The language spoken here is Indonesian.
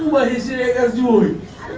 ubah siregar juri